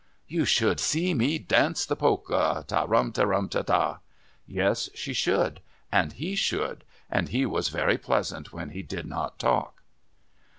You should SEE me DANCE the POLKA, Ta ram te tum te TA. Yes, she should. And he should. And he was very pleasant when he did not talk.